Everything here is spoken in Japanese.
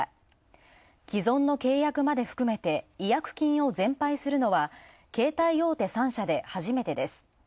既存の契約まで含めて違約金を全廃するのは携帯大手３社で初めてです。